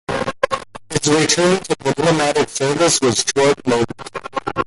His return to diplomatic service was short lived.